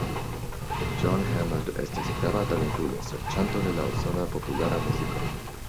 John Hammond estis grava talentulo-serĉanto de la usona populara muziko.